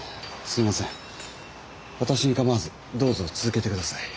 私にかまわずどうぞ続けてください。